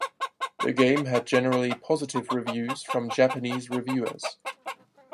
The game had generally positive reviews from Japanese reviewers.